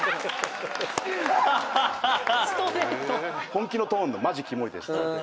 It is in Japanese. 本気のトーンで「マジキモいです」って。